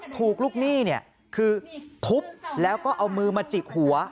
ถูกลูกหนี้เนี่ยคือทุบแล้วก็เอามือมาจิกหัว